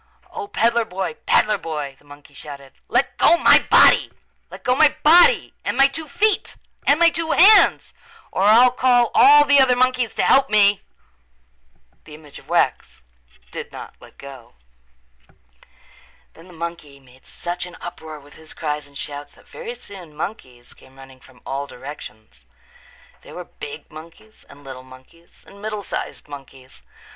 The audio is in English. "O, peddler boy, peddler boy," the monkey shouted, "let go my body! Let go my body and my two feet and my two hands or I'll call all the other monkeys to help me!" The image of wax did not let go. Then the monkey made such an uproar with his cries and shouts that very soon monkeys came running from all directions. There were big monkeys and little monkeys and middle sized monkeys.